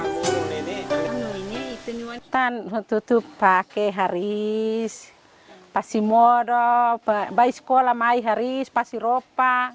haris pasimo baik sekolah maik haris pasiropa